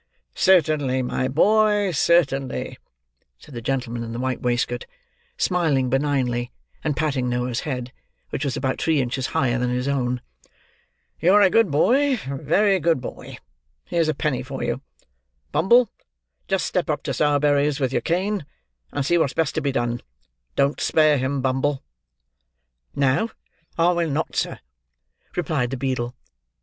"Certainly, my boy; certainly," said the gentleman in the white waistcoat: smiling benignly, and patting Noah's head, which was about three inches higher than his own. "You're a good boy—a very good boy. Here's a penny for you. Bumble, just step up to Sowerberry's with your cane, and see what's best to be done. Don't spare him, Bumble." "No, I will not, sir," replied the beadle.